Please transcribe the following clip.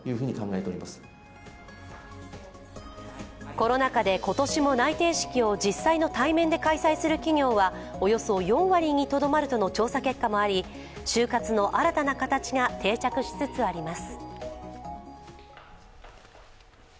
コロナ禍で今年も内定式を実際の対面で開催する企業はおよそ４割にとどまるとの調査結果もあり、就活の新たな形で定着しつつあります。